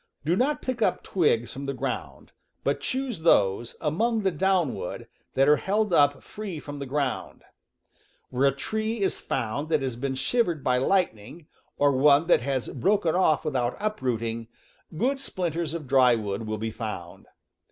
Do not pick up twigs from the ground, but choose those, among the downwood, that are held up free from the ground. Where a tree is found that has been shivered by lightning, or one that has bro ken off without uprooting, good splinters of dry wood will be found.